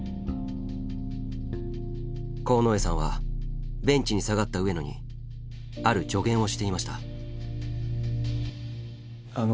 鴻江さんはベンチに下がった上野にある助言をしていました。